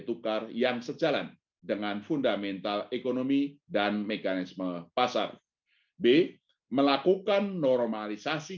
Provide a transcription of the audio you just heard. tukar yang sejalan dengan fundamental ekonomi dan mekanisme pasar b melakukan normalisasi